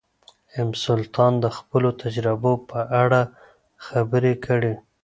ام سلطان د خپلو تجربو په اړه خبرې کړې.